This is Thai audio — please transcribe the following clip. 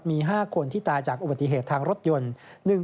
มี๕คนที่ตายจากอุบัติเหตุทางรถยนต์